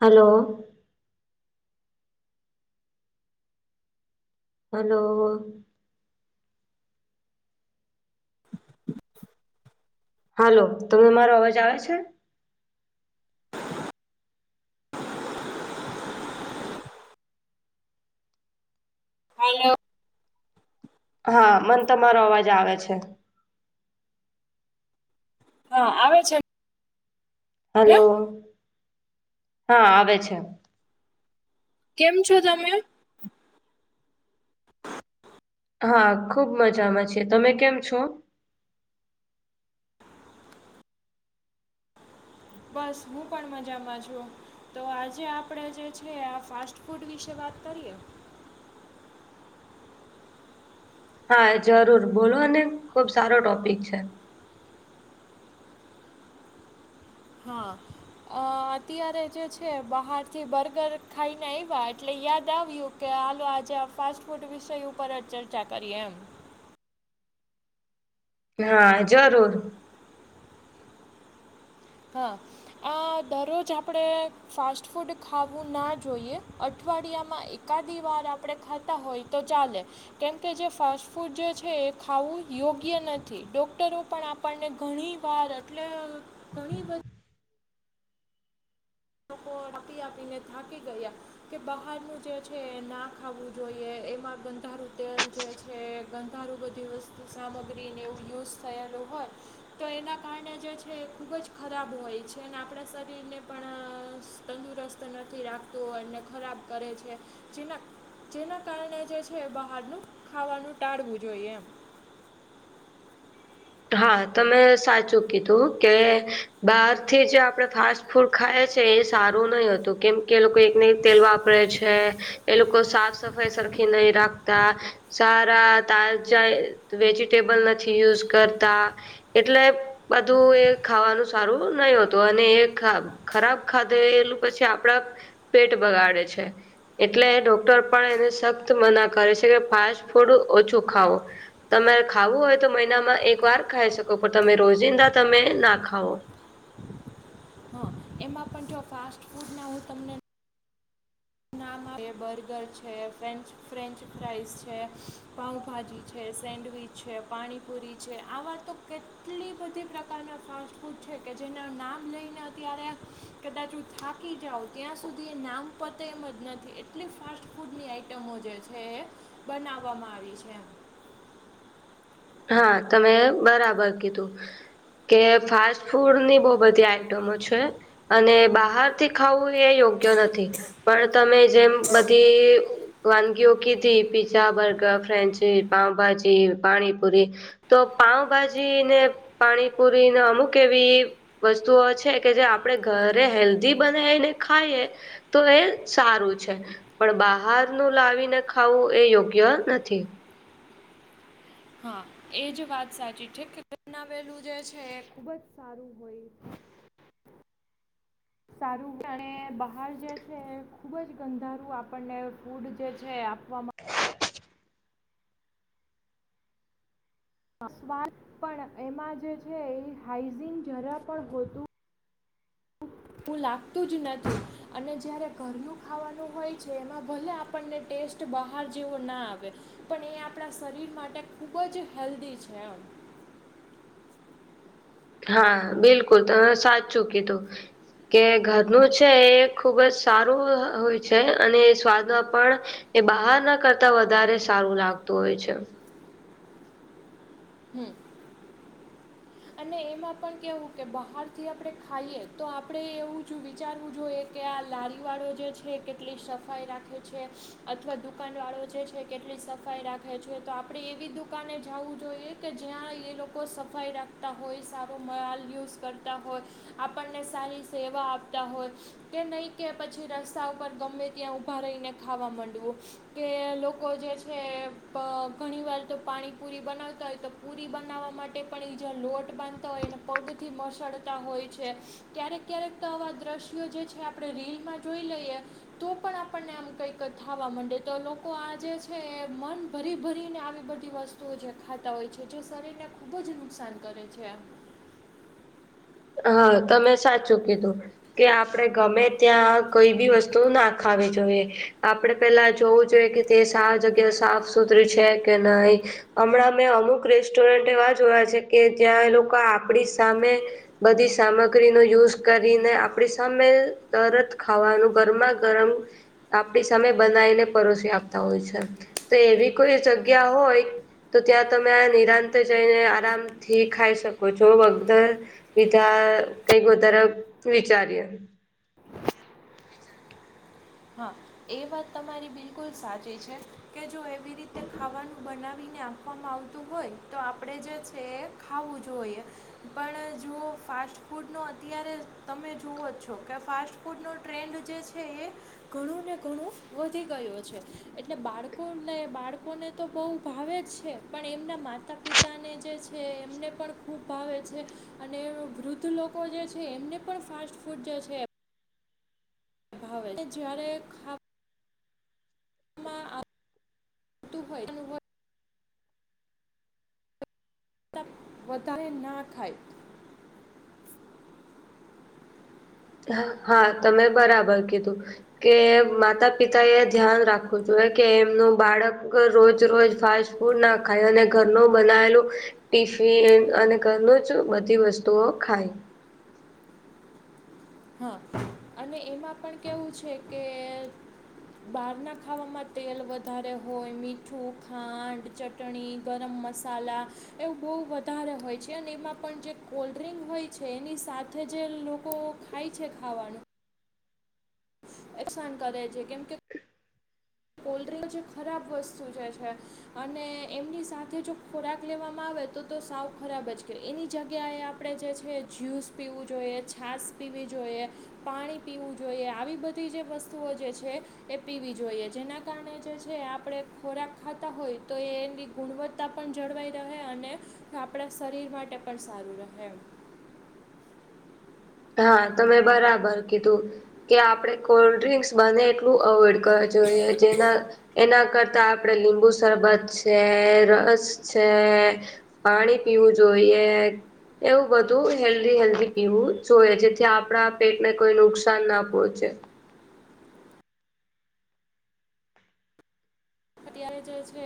Hello. Hello... hello તમને મારો અવાજ આવે છે. હલો.. હા મન તમારો અવાજ આવે છે. હા આવે છે. ને હલો... હા આવે છે. કેમ છો તમે? હા, ખુબ મજામાં છે તમે કેમ છો? બસ, હું પણ મજામાં છું. તો આજે આપડે જે છે આ ફાસ્ટ ફૂડ વિશે વાત કરીએ. હા, જરૂર બોલોને ખુબ સારો ટોપિક છે. હા.. અં અત્યારે જે છે બહાર થી બર્ગર ખાઈને આવ્યા એટલે યાદ આવ્યું. કે હાલો આજે આ ફાસ્ટ ફૂડ વિષય ઉપર જ ચર્ચા કરીએ એમ. હા જરૂર. હા આ દરરોજ આપડે. ફાસ્ટ ફૂડ ખાવું ના જોઈએ. અઠવાડિયામાં એકાદી વાર આપણે ખાતા હોય તો ચાલે કેમકે જે ફાસ્ટ ફૂડ જે છે. એ ખાવું યોગ્ય નથી ડોક્ટરો પણ આ આપણને ઘણી વાર એટલે ઘણી બધી લોકો રપિ આપીને થાકી ગયા કે બહારનું જે છે ના ખાવવું જોઈએ એમાં ગંધારું તેલ જે છે કે ગંધારું બધી વસ્તુ સામગ્રીને એવું યુઝ થયેલુ હોય તો એના કારણે જે છે. એ ખૂબ જ ખરાબ હોય છે ને આપણા શરીરને પણ [unintelligible] તંદુરસ્ત નથી રાખતો અને ખરાબ કરે છે. જેના જેના કારણે જે છે. બહારનું ખાવાનું ટાળવું જોઈએ એમ. હા તમે સાચું કીધું કે બહાર થી જે આપડે ફાસ્ટ... ફાસ ફૂડ ખાયે છે એ સારું નઈ હતું કેમ કે લોકો એક ને એક તેલ વાપરે છે. એ લોકો સાફ સફાઈ સરખી નઈ રાખતા સારા તાજા વેજીિટેબલ નથી યુઝ કરતા. એટલે બધું એ ખાવાનું સારું નઈ હોતું એને એ ખાવ ખરાબ ખાધેલું પછી આપડા પેટ બગાડે છે એટલે ડોક્ટર પણ એને સખત મના કરે છે કે ફાસ્ટ ફૂડ ઓછું ખાવ તમારે ખાવું હોય તો મહિનામાં એક વાર ખાઈ શકો પણ તમે રોજિંદા તમે ના ખાવો હા એમાં પણ જો ફાસ્ટ ફૂડ ના હું તમને નામ બર્ગર છે, ફ્રેન્ચ ફ્રેન્ચ ફ્રાઈસ છે, પાઉભાજી છે, સેન્ડવીચ છે, પાણીપુરી છે આવા તો કેટલી બધી પ્રકારના ફાસ્ટ ફૂડ છે કે જેના નામ લઈને અત્યારે કદાચ હું થાકી જાવ ત્યાં સુધી એ નામ પોતે એમજ ન એટલી ફાસ્ટ ફૂડની આઈટમો જે છે એ બનાવવામાં આવી છે એમ. હા તમે બરાબર કીધું. કે ફાસ્ટ ફૂડ ની બો બધી આઈટમો છે. અને બહાર થી ખાવું એ યોગ્ય નથી પણ તમે જેમ બધી વાનગીઓ કીધી પીઝા, બર્ગર, ફ્રેન્ચી, પાવભાજી, પાણી પુરી તો પાઉભાજી ને પાણીપુરી ના અમુક એવી વસ્તુઓ છે કે જે આપણેે ઘરે હેલ્ધી બનાવી ને ખાઈએ તો એ સારું છે. પણ બહારનું લાવીને ખાવું એ યોગ્ય નથી હા. એજ વાત સાચી છે કે [unintelligible] વેલું જે છે એ ખુબ જ સારું હોય. સારું અને બહાર જે છે એ ખુબ જ ગંધારું આપણને ફૂડ જે છે આપવામાં સ્વાદ પણ એમાં જે છે એ હાઈઝિન જરા પણ હોતું તું લાગતું જ નથી અને જ્યારે ઘરનુ ખાવાનું હોય છે એમાં ભલે આપણને ટેસ્ટ બહાર જેવો ના આવે પણ એ આપણા શરીર માટે ખૂબ જ હેલ્ધી છે એમ હા બિલકુલ તમે સાચુ કીધું કે ઘરનું છે એ ખુબ જ સારું હ હોય છે અને એ સ્વાદમાં પણ એ બહાર ના કરતા વધારે સારું લાગતું હોય છે. હમ. અને એમાં પણ કેવું કે બહારથી આપણે ખાઈએ તો આપણે એવુંજ વિચારવું જોઈએ. કે આ લારી વાળો જે છે કેટલી સફાઈ રાખે છે અથવા દુકાન વાળો જે છે કેટલી સફ સફાઈ રાખે છે. તો આપડે એવી દુકાને જવું જોઈએ કે જ્યાં એ લોકો સફાઈ રા ખતા હોય સારો માલ યુઝ કરતા હોય આપણને સારી સેવા આપતા હોય કે નઈ કે પછી રસ્તા ઉપર ગમે ત્યાં ઊભા રહીને ખાવા મંડવું કે લોકો જે છે પ ઘણી વાર તો પાણીપુરી બનાવતા હોય તો પૂરી બનાવા માટે પણ ઇ જ્યાં લોટ બાંધતા હોયને પગથી મસળતા હોય છે ક્યારેક ક્યારેક ત આવા દ્રશ્યો જે છે આપડે રીલમાં જોઈ લઈએ તો પણ આપણને આમ કઈક થાવા માંડે તો લોકો આ જે છે એ મન ભરી ભરીને આવી બધી ઇ વસ્તુઓ જે ખાતા હોય છે જો શરીરને ખૂબ જ નુકસાન કરે છે એમ. હા તમે સાચું કીધું. કે આપડે ગમે ત્યાં કોઈ બી વસ્તુ ના ખાવી જોઈએ આપડે પેલા જોવું જોઈએ કે તે સા જગ્યા સાફ સુતરી છે કે નઇ. અમણાં મેં અમુક રેસ્ટોરન્ટ એવા જોયા છે કે જ્યાં એ લોકો આપડી સામે બધી સામગ્રીનો યુઝ કરીને આપડી સામે તરત ખાવાનું ગરમા ગરમ આપડી સામે બનાવીને પરોશી આપતા હોય છે તો એવી કોઈ જગ્યા હોય તો ત્યાં તમે નિરાંતે જઈને આરામથી ખાઈ શકો છો વગદર પીધા કઈક વધારે વિચારીએ. હા. એ વાત તમારી બિલકુલ સાચી છે કે જો એવી રીતે ખાવાનું બનાવીને આપ વામાં આવતું હોય તો આપડે જે છે એ ખાવું જોઈએ પણ જો ફાસ્ટ ફૂડનો અત્યારે તમે જુઓ છો કે ફાસ્ટ ફૂડનો ટ્રેન્ડ જે છે એ. ઘણું ને ઘણું વધી ગયો છે એટલે બાળકોને બાળકોને તો બઉ ભાવે છે. પણ એમના માતા પિતાને જે છે એમને પણ ખૂબ ભાવે છે અને વૃદ્ધ લોક કો જે છે એમને પણ ફાસ્ટ ફૂડ જે છે ભાવે તે જ્યારે ખા માં આ તું હોય તપ વધારે ના થાય ત હા તમે બરાબર કીધું કે માતા પિતા એ ધ્યાન રાખવું જોઈએ કે એમનું બાળક રોજ રોજ ફાસ ફૂડ ન ખાય અને ઘરનું બનાવેલું ટિફિન અને ઘરનું જ બધી વસ્તુઓ ખાય હા અને એમાં પણ કેવું છે કે બારના ખાવામાં તેલ વધારે હોય મીઠું ખાંડ ચટ ટણી ગરમ મસાલા એવું બોવ વધારે હોય છે અને એમાં પણ જે કોલ્ડ્રિંક હોય છે એની સાથે જે લોકો ખાય છે ખાવાનું એકસાન કરે છે કેમ કે કોલ્ડ્રિંગ જે ખરાબ વસ્તુ જે છે અને એમની સાથે જો ખોરાક લેવામાં આવે તો તો સાવ ખરાબ જ કે એની જગ્યાએ આપ પડે જે છે જ્યુસ પીવું જોઈએ છાસ પીવી જોઈએ પાણી પીવું જોઈએ આવી બ તી જે વસ્તુઓ જે છે એ પીવી જોઈએ જેના કારણે જે છે આપડે ખોરાક ખાતા હોય તો એ એની ગુણવત્તા પણ જળવાઈ રહે અને આપડા શરીર માટે પણ સારું રહે હા તમે બરાબર કીધું કે આપડે કોલ્ડ્રિંક્સ બને એટલું અવોઈડ કરવા જોઈએ જેના એના કરતા આપડે લીંબુ શરબત છે રસ છે પાણી પીવું જોઈએ એવું બધું હેલ્ધી હેલ્ધી પીવું જોયે જેથી આપડા પેટને કોઈ નુકસાન ના પોહચે ત્યારે જે છે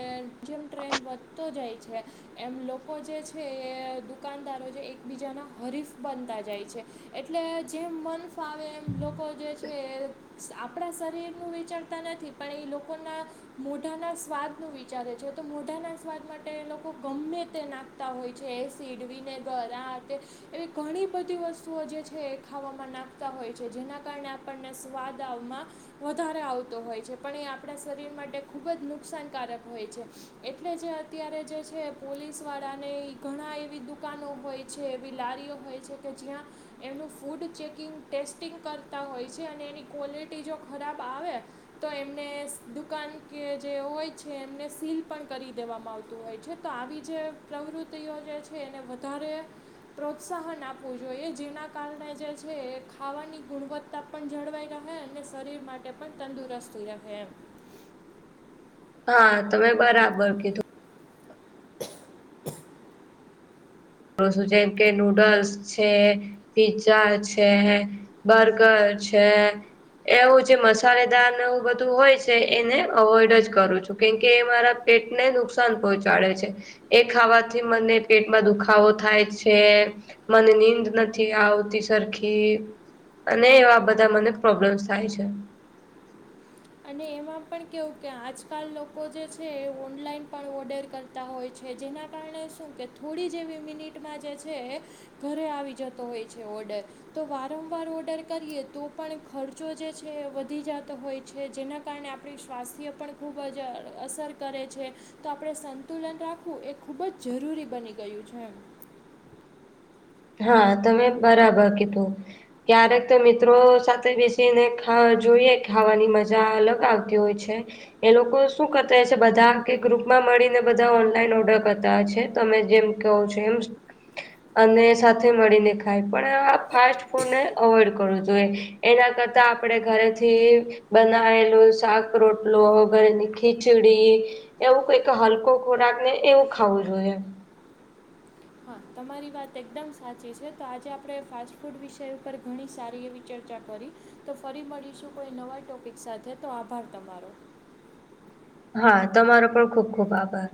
એ જીમ ટ્રેન વધતો જાય છે એમ લોકો જે છે એ દુકાનદારો જે એકબીજાના હરીફ બનતા જાય છે એટલે જેમ મન ફાવે એમ લોકો જે છે એ આપડા શરીરનું વિચારતા નથી પણ ઇ લોકોના મોઢાના સ્વાદ નું વિચારે છે તો મોઢાના સ્વાદ માટે એ લોકો ગમ્મે તે નાખતા હોય છે એસ સીટવીને ગરા તે એવી ઘણી બધી વસ્તુઓ જે છે એ ખાવામાં નાખતા હોય છે, જેના કારણે આપણને સ્વાદ આવમાં વધારે આવતો હોય છે, પણ એ આપડા શરીર માટે ખુબ જ નુકસાન કારક હોય છે, એટલે જે અત્યારે જે છે પોલીસ વાળાને ઘણા એવી દુ કાનો હોય છે એવી લારીઓ હોય છે, કે જ્યાં એમનું ફૂડ ચેકિંગ ટેસ્ટિંગ કરતા હોય છે, અને એની ક્વોલિટી જો ખરાબ આવે તો એમને દુકાન કે જે હોય છે એમને સીલ પણ કરી દેવામાં આવતું હોય છે, તો આવી જે પ્રવૃત્તિઓ જે છે, એને વધારે પ્રોત્સાહન આપવું જોઈએ, જેના કારણે જે છે ખાવાની ગુણવ તા પણ જળવાઈ રહે અને શરીર માટે પણ તંદુરસ્ત રહે એમ. હા, તમે બરાબર કીધું. જેમ કે નૂડલ્સ છે, પિઝા છે. બરગર છે. એવું જે મસાલેદારને એવ બધું હોય છે, એને અવોઈડ જ કરું છું, કેમકે મારા પેટને નુકસાન પહોંચાડે છે, એ ખાવાથી મને પેટમાં દુખ ખાવો થાય છે, મને નીંદ નથી આવતી સરખી. અને એવા બધા મને પ્રોબ્લેમ્સ થાય છે. અને એમાં પણ કેવું કે આજકાલ લોકો જે છે એ ઓનલાઈન પણ ઓર્ડર કરતા તા હોય છે, જેના કારણે શું કે થોડી જેવી મિનિટમાં જે છે. ઘરે આવી જતો હોય છે, ઓર્ડર- તો વારંવાર ઓર્ડર કરીએ તો પણ ખર્ચો જે છે વધી જતો હોય છે, જેના કારણે આપણી સ્વાસ્થ્ય પણ ખૂબ જ અસર કરે છે. તો આપણે સંતુલન રાખવું, એ ખૂબ જ જરૂરી બની ગયું છે. હા, તમે બરાબર કીધું. ક્યારેક તો મિત્રો સાથે બેસીને ખા જોઈએ ખાવાની મજા અલગ આવતી હોય છે. એ લોકો શું કરતાય છે, બધા કે ગ્રુપમાં મળીને બધા ઓનલાઈન ઓર્ડર કરતા હોય છે, તમે જેમ કેવો છો એમ, અને સાથે મળીને ખાય, પણ ફાસ્ટ ફૂડને અવોઈડ કરવું હોય, એના કરતા આપડે ઘરેથી બનાવેલું શાક, રોટલો, ઘરેની ખીચડી એવું કઈ હલકો ખોરાક ને એવું ખાવું જોઈએ હા, તમારી વાત એકદમ સાચી છે, આજે આપણે ફાસ્ટ ફૂડ ઉપર ઘણી સારી એવી ચર્ચા કરી. તો ફરી મળીશું, કોઈ નવા ટોપિક સાથે, તો આભાર તમારો. હા, તમારો પણ ખુબ, ખુબ આભાર.